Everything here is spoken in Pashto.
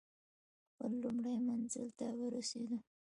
خپل لومړي منزل ته ورسېدو.